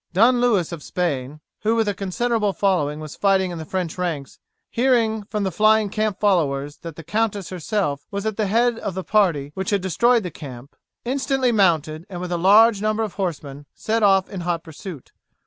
Don Louis of Spain, who with a considerable following was fighting in the French ranks, hearing from the flying camp followers that the countess herself was at the head of the party which had destroyed the camp, instantly mounted, and with a large number of horsemen set off in hot pursuit.